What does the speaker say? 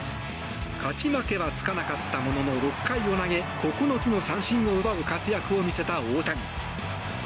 勝ち負けはつかなかったものの６回を投げ９つの三振を奪う活躍を見せた大谷。